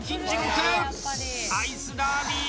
アイスダービー